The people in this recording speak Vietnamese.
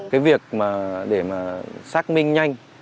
cái việc để mà xác minh nhanh